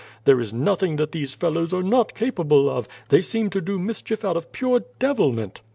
There is nothing that these fellows are not capable of; they seem to do mischief out of pure devilment."